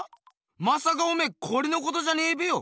まさかおめえこれのことじゃねえべよ。